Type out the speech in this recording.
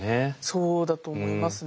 そうだと思いますね。